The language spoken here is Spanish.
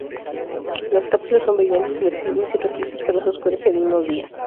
Las cápsula son brillantes, flexibles y rojizas, pero se oscurecen en unos días.